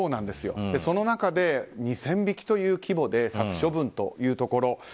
その中で、２０００匹という規模で殺処分というところ。